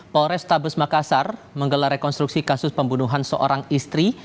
polresta besmakasar menggelar rekonstruksi kasus pembunuhan seorang istri